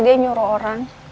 dia nyuruh orang